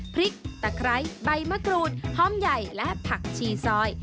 พริกตะไคร้ใบมะกรูดหอมใหญ่และผักชีซอย